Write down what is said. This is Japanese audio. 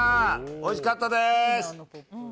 おいしかったです！